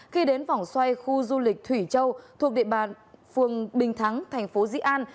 khi đến vòng xoay khu du lịch thủy châu thuộc địa bàn phường bình thắng thành phố di an